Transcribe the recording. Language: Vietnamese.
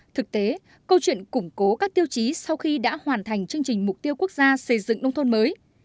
thực tế câu chuyện củng cố các tiêu chí sau khi đã hoàn thành chương trình mục tiêu quốc gia xây dựng nông thôn mới